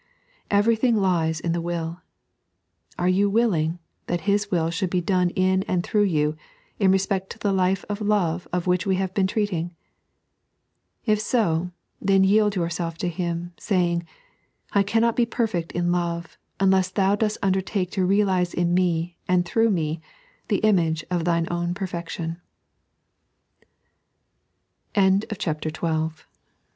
Everything lies in the will. Are you toiUing that His will should be done in and through you, in respect to the life of love of which we have been treating ! If so, then yield yourself to Him, saying :" I cannot be perfect in love, unless Thou dost undertake to realize in me and through me the image of Thine ow